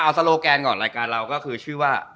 เอาโซโลแกนก่อนรายการเราก็คือชื่อว่า